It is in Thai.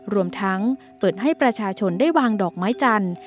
รวมทั้งเปิดให้ประชาชนได้วางดอกไม้จันทร์